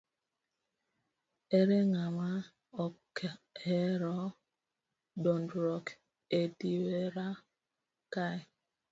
Ere ng'ama ok ohero dongruok e dierwa kae?